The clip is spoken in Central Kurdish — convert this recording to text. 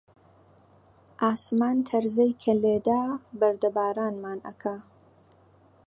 ئاسمان تەرزەی کە لێدا، بەردەبارانمان ئەکا